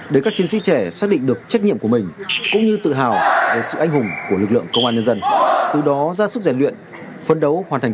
để các chiến sĩ trẻ xác định được trách nhiệm của mình cũng như tự hào về sự anh hùng của lực lượng công an nhân dân